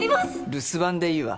留守番でいいわ。